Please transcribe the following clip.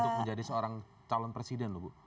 untuk menjadi seorang calon presiden